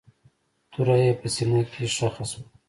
توره يې په سينه کښې ښخه شوه.